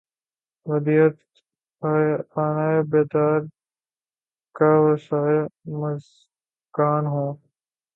ودیعت خانۂ بیدادِ کاوشہائے مژگاں ہوں